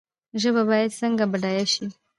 ژبه باید څنګه بډایه شي؟